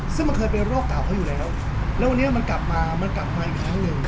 ซึ่งมันเคยเป็นโรคเก่าเขาอยู่แล้วแล้ววันนี้มันกลับมามันกลับมาอีกครั้งหนึ่ง